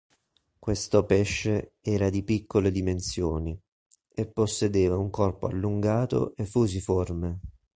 Questo pesce era di piccole dimensioni, e possedeva un corpo allungato e fusiforme.